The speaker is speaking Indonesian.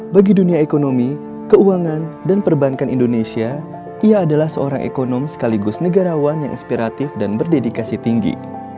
bagi dunia ekonomi keuangan dan perbankan indonesia ia adalah seorang ekonom sekaligus negarawan yang inspiratif dan berdedikasi tinggi